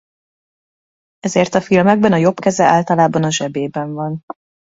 Ezért a filmekben a jobb keze általában a zsebében van.